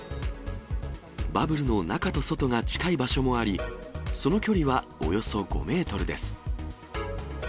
バブルの中と外が近い場所もあり、その距離はおよそ５メートルです。